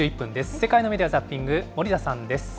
世界のメディア・ザッピング、森田さんです。